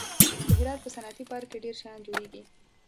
د هرات په صنعتي پارک کې ډېر شیان جوړېږي.